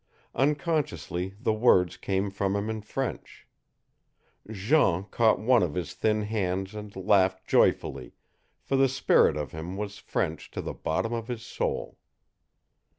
Unconsciously the words came from him in French. Jean caught one of his thin hands and laughed joyfully, for the spirit of him was French to the bottom of his soul.